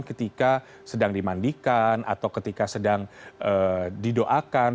ketika sedang dimandikan atau ketika sedang didoakan